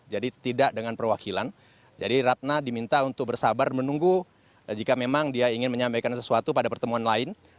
jadi tidak dengan perwakilan jadi ratna diminta untuk bersabar menunggu jika memang dia ingin menyampaikan sesuatu pada pertemuan lain